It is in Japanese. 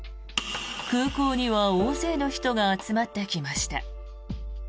空港には大勢の人が集まってきました。